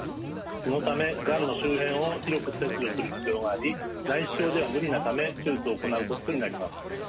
そのためがんの周辺を広く切除する必要があり内視鏡では無理なため手術を行うことになります。